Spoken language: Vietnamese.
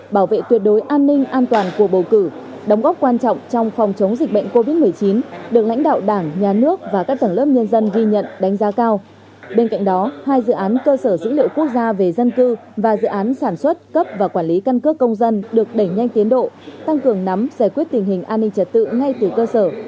bên cạnh đó hai dự án cơ sở dữ liệu quốc gia về dân cư và dự án sản xuất cấp và quản lý căn cước công dân được đẩy nhanh tiến độ tăng cường nắm giải quyết tình hình an ninh trật tự ngay từ cơ sở